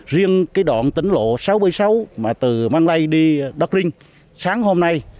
riêng cái đoạn tỉnh lộ sáu trăm bảy mươi sáu mà từ mang lây đi đất linh sáng hôm nay